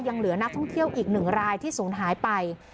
ยังเหลือนักท่องเที่ยวอีกหนึ่งรายที่ศูนย์หายไป